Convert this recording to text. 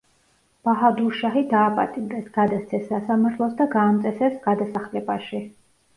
ბაჰადურ შაჰი დააპატიმრეს, გადასცეს სასამართლოს და გაამწესეს გადასახლებაში.